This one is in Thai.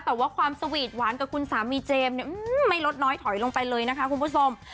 แต่ว่าความสวีทหวานกับคุณสามีเจมส์เนี่ยไม่ลดน้อยถอยลงไปเลยนะคะคุณผู้ชม